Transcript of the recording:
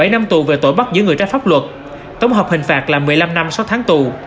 bảy năm tù về tội bắt giữ người trái pháp luật tổng hợp hình phạt là một mươi năm năm sáu tháng tù